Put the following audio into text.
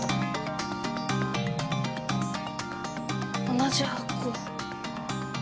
同じ箱。